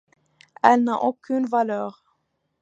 Elle n’a aucune valeur.